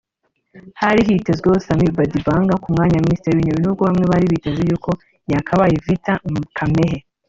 hari hashyizweho Samy Badibanga ku mwanya w’aminisitiri w’intebe nubwo bamwe bari biteze yuko yakabaye Vital Kamerhe